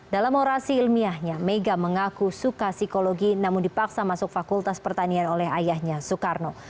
dalam orasi ilmiahnya mega mengaku suka psikologi namun dipaksa masuk fakultas pertanian oleh ayahnya soekarno